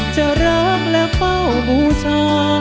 จะรักและเฝ้าบูชา